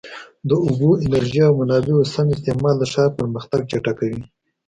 د اوبو، انرژۍ او منابعو سم استعمال د ښار پرمختګ چټکوي.